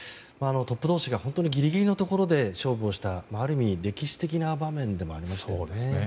トップ同士がギリギリのところで勝負をしたある意味、歴史的な場面でもありましたよね。